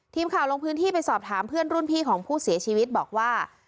ทีมข่าวลงพื้นที่ไปสอบถามเพื่อนรุ่นพี่ของผู้เสียชีวิตบอกว่า